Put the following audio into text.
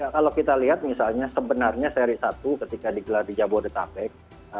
kalau kita lihat misalnya sebenarnya seri satu ketika digelar di jabodetabek